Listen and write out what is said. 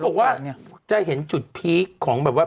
บอกว่าจะเห็นจุดพีคของแบบว่า